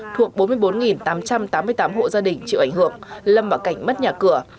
thuộc bốn mươi bốn tám trăm tám mươi tám hộ gia đình chịu ảnh hưởng lâm vào cảnh mất nhà cửa